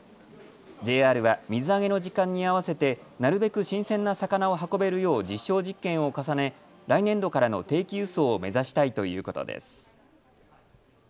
ＪＲは水揚げの時間に合わせてなるべく新鮮な魚を運べるよう実証実験を重ね来年度からの定期輸送を目指したいということです。